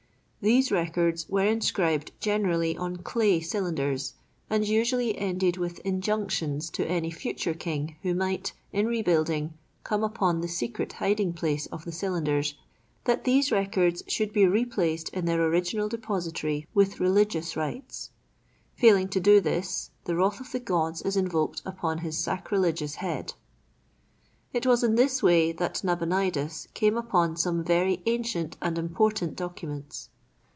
These records were inscribed generally on clay cylinders and usually ended with injunctions to any future king who might, in rebuilding, come upon the secret hiding place of the cylinders that these records should be replaced in their original depository with religious rites. Failing to do this, the wrath of the gods is invoked upon his sacreligious head. It was in this way that Nabonidus came upon some very ancient and important documents.